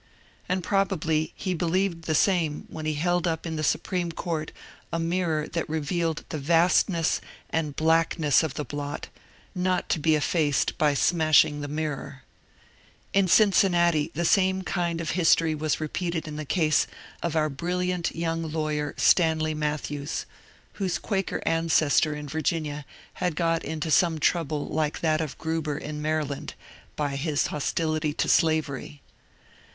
And probably he believed the same when he held up in the Supreme Court a mirror that revealed the vastness and blackness of the blot, not to be effaced by smashing the mir FUGITIVE SLAVES 253 ror. In Cinoinnati the same kind of history was repeated in the ease of our brilliant young lawyer Stanley Matthews, whose Quaker ancestor in Virginia had got into some trouble like that of Gruber in Maryland by his hostility to slavery.